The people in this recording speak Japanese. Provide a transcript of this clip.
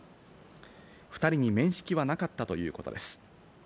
２人に面識はなかったということです。